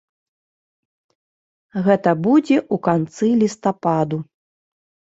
Гэта будзе ў канцы лістападу.